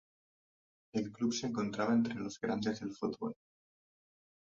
El club se encontraba entre los grandes del fútbol.